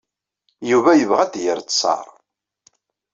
Yuba yebɣa ad d-yerr ttaṛ.